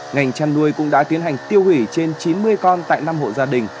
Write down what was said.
ngành chăn nuôi cũng đã tiến hành tiêu hủy trên chín mươi con tại năm hộ gia đình